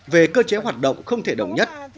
về cơ chế hoạt động không thể đồng nhất